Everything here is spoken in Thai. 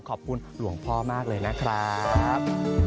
ขอบคุณหลวงพ่อมากเลยนะครับ